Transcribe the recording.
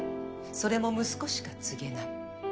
それも息子しか継げない。